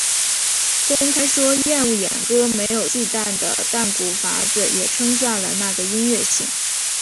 公开说厌恶演歌没有忌惮的淡谷法子也称赞了那个音乐性。